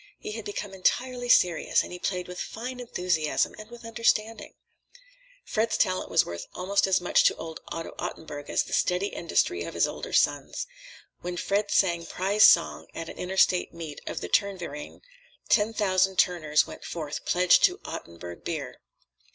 He had become entirely serious, and he played with fine enthusiasm and with understanding. Fred's talent was worth almost as much to old Otto Ottenburg as the steady industry of his older sons. When Fred sang the Prize Song at an interstate meet of the Turnverein, ten thousand Turners went forth pledged to Ottenburg beer.